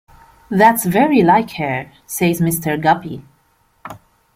"That's very like her," says Mr. Guppy.